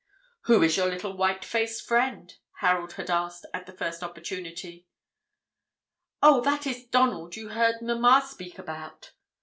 "Who is your little white faced friend?" Harold had asked at the first opportunity. "Oh, that is Donald you heard mamma speak about!"